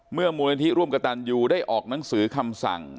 เมื่อมุเรนที่ร่วมกระตันยูได้ออกหนังสือคำสั่ง